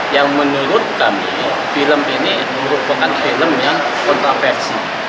yang menurut kami film ini merupakan film yang kontroversi